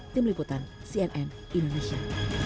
tim liputan cnn indonesia